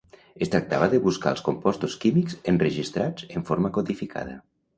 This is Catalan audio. Es tractava de buscar els compostos químics enregistrats en forma codificada.